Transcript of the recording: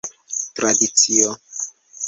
tradicio